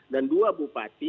dan dua bupati